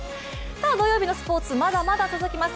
土曜日のスポーツまだまだ続きます。